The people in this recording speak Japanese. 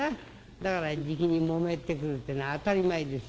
だからじきにもめてくるっていうのは当たり前ですよ。